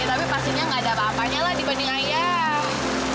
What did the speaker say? ya tapi pastinya gak ada bapaknya lah dibanding ayah